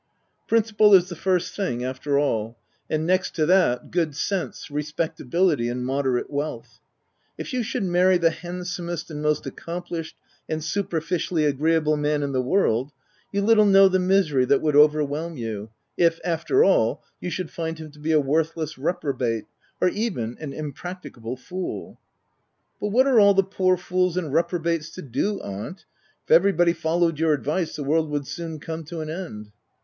Principle is the first thing, after all ; and next to that, good sense, respectability, and moderate wealth. If you should marry the handsomest, and most accomplished and super ficially agreeable man in the world, you little know the misery that would overwhelm you, if, after all, you should find him to be a worthless reprobate, or even an impracticable fool/' " But what are all the poor fools and repro OF WILDFELL HALL. 275 bates to do, aunt? If everybody followed your advice the world would soon come to an end."